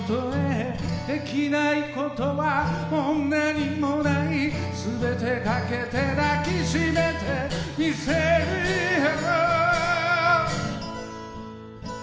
「できないことはもう何もない」「すべてかけて抱きしめてみせるよ」